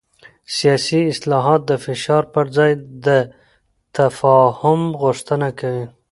سیاسي اصلاحات د فشار پر ځای د تفاهم غوښتنه کوي